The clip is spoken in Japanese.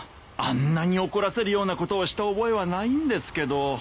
あんなに怒らせるようなことをした覚えはないんですけど。